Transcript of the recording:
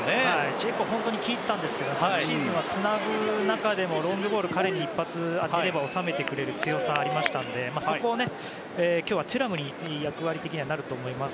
ジェコが本当に効いていたんですが昨シーズンは、つなぐ中でもロングボールを彼に一発当てれば収めてくれる強さがあったのでそこは今日、テュラムの役割にはなると思います。